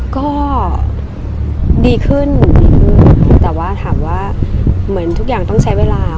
ก็ดีขึ้นแต่ว่าถามว่าเหมือนทุกอย่างต้องใช้เวลา